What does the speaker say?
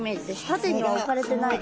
縦には置かれてない。